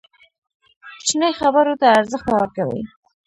کوچنۍ خبرو ته ارزښت مه ورکوئ!